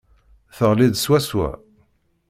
Teɣli-d swaswa.